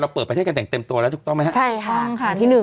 เปิดประเทศกันอย่างเต็มตัวแล้วถูกต้องไหมฮะใช่ค่ะที่หนึ่ง